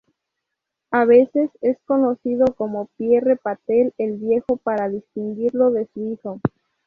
A veces es conocido como Pierre Patel el Viejo, para distinguirlo de su hijo.